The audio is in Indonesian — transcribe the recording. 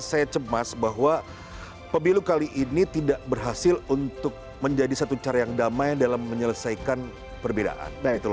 saya cemas bahwa pemilu kali ini tidak berhasil untuk menjadi satu cara yang damai dalam menyelesaikan perbedaan